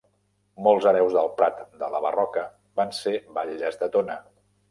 Molts hereus del Prat de la Barroca van ser batlles de Tona.